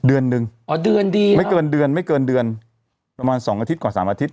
เดือนหนึ่งอ๋อเดือนดีไม่เกินเดือนไม่เกินเดือนประมาณสองอาทิตย์กว่าสามอาทิตย